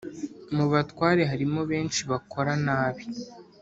mubatware harimo benshi bakora nabi.